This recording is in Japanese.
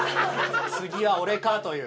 「次は俺か」という。